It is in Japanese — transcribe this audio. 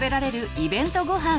イベントごはん」。